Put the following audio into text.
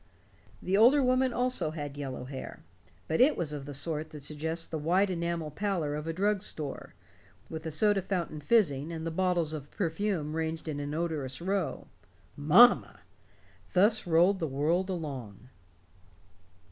The older woman also had yellow hair, but it was the sort that suggests the white enamel pallor of a drug store, with the soda fountain fizzing and the bottles of perfume ranged in an odorous row. Mamma! Thus rolled the world along.